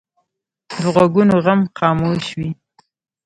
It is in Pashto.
د غوږونو غم خاموش وي